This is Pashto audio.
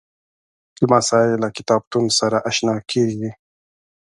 لمسی له کتابتون سره اشنا کېږي.